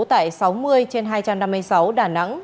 tại sáu mươi trên hai trăm năm mươi sáu đà nẵng